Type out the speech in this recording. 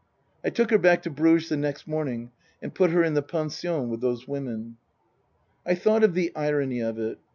" I took her back to Bruges the next morning and put her in the pension with those women." I thought of the irony of it.